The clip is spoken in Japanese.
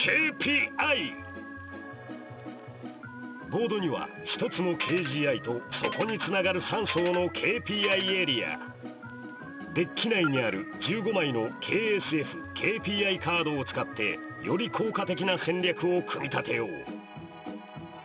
ボートには１つのＫＧＩとそこにつながる３層のＫＰＩエリアデッキ内にある１５枚のＫＳＦＫＰＩカードを使ってより効果的な戦略を組み立てよう！